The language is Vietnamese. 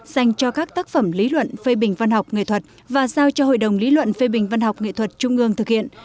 dành cho các tác phẩm lý luận phê bình văn học nghệ thuật và giao cho hội đồng lý luận phê bình văn học nghệ thuật trung ương thực hiện